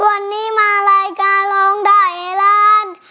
วันนี้มารายการร้องได้ให้ล้าน